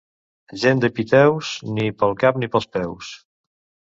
Gent dels Piteus, ni pel cap ni pels peus.